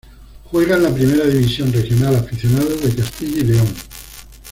Juega en la Primera División Regional Aficionados de Castilla y León.